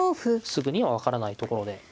すぐには分からないところで。